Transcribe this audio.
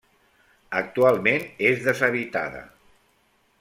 Actualment és deshabitada.